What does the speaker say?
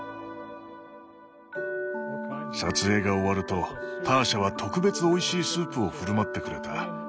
撮影が終わるとターシャは特別おいしいスープを振る舞ってくれた。